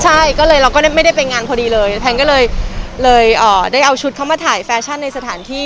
ใช่ก็เลยเราก็ไม่ได้ไปงานพอดีเลยแพนก็เลยได้เอาชุดเข้ามาถ่ายแฟชั่นในสถานที่